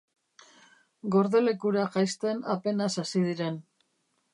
Gordelekura jaisten apenas hasi diren.